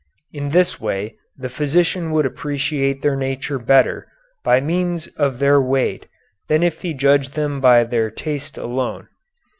In this way the physician would appreciate their nature better by means of their weight than if he judged them by their taste alone.